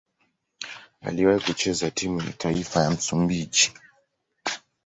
Aliwahi kucheza timu ya taifa ya Msumbiji.